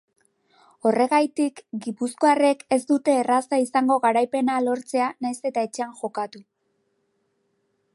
Horregaitik, gipuzkoarrek ez dute erraza izango garaipena lortzea nahiz eta etxean jokatu.